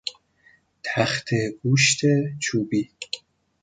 تخته گوشت چوبی